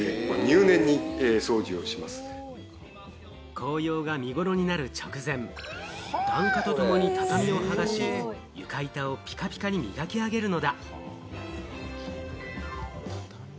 紅葉が見頃になる直前、檀家とともに畳をはがし、床板をピカピカに磨き上げるのだ。